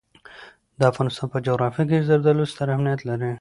د افغانستان په جغرافیه کې زردالو ستر اهمیت لري.